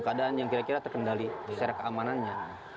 keadaan yang kira kira terkendali secara keamanannya